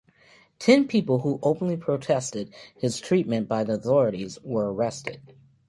Ten people who openly protested his treatment by the authorities were arrested.